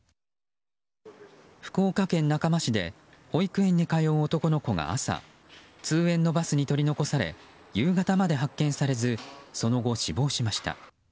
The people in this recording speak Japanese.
福岡県中間市で保育園に通う男の子が朝通園のバスに取り残され夕方まで発見されずその後、死亡しました。